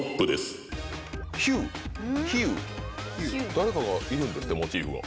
誰かがいるんですってモチーフが。